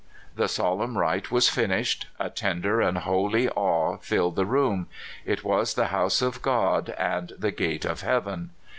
The s lemn rite was finished, a tender and holy awe filled the room ; it w^as the house of God and the gate of heaven.